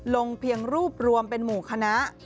ลงเพียงรูปรวมเป็นหมู่คณะ